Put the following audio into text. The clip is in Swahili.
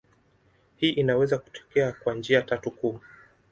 Hii inaweza kutokea kwa njia tatu kuu.